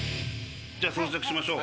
じゃあ装着しましょう。